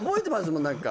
もん何か